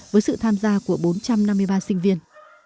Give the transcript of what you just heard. với sự tham gia của bốn trăm năm mươi ba sinh viên